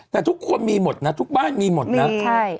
แต่ทุกคนมีหมดนะทุกบ้านมีหมดนะใช่